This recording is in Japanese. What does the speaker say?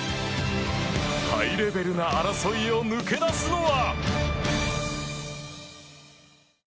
ハイレベルな争いを抜け出すのは？